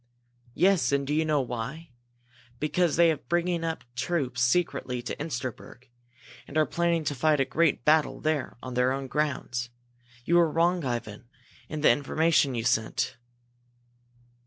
"Yes, and do you know why? Because they have been bringing troops up secretly to Insterberg, and are planning to fight a great battle there on their own grounds! You were wrong, Ivan, in the information you sent."